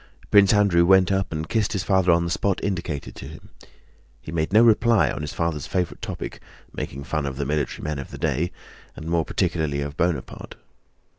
Prince Andrew went up and kissed his father on the spot indicated to him. He made no reply on his father's favorite topic—making fun of the military men of the day, and more particularly of Bonaparte.